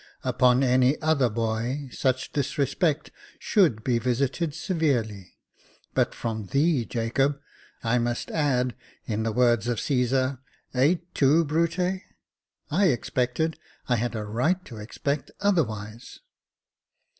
Upon any other boy, such disrespect should be visited severely ; but from thee, Jacob, I must add, in the words of Caesar, ' Et tu Brute,'' I expected, I had a right to expect, otherwise.